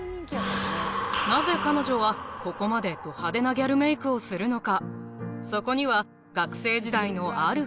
なぜ彼女はここまでド派手なギャルメイクをするのか